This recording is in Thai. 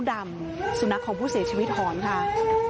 ดำสุนัขของผู้เสียชีวิตหอนค่ะ